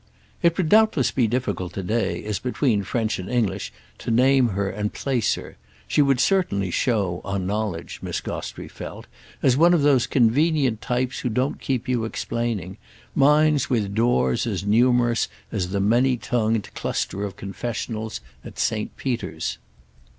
It would doubtless be difficult to day, as between French and English, to name her and place her; she would certainly show, on knowledge, Miss Gostrey felt, as one of those convenient types who don't keep you explaining—minds with doors as numerous as the many tongued cluster of confessionals at Saint Peter's.